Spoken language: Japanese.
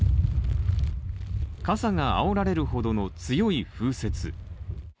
傘があおられるほどの強い風雪。